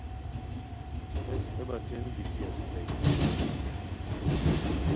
ہیس ہے بچین گیتی اسیتائے